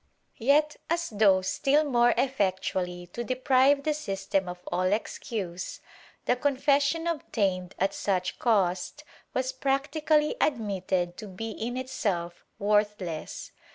Yet, as though still more effectually to deprive the system of all excuse, the confession obtained at such cost was practically admitted to be in itself worthless.